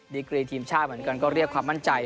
กรีทีมชาติเหมือนกันก็เรียกความมั่นใจ